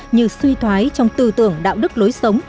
như suy thoái trong tư tưởng đạo đức lối sống